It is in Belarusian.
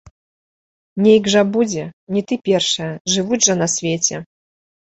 Нейк жа будзе, не ты першая, жывуць жа на свеце.